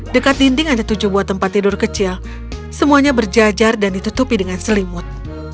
dekat dinding ada tujuh buah tempat tidur kecil semuanya berjajar dan ditutupi dengan selimut